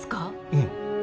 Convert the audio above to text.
うん